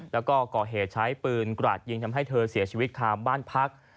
แล้วก็ก่อเหตุใช้ปืนกราดยิงทำให้เธอเสียชีวิตคามบ้านพัก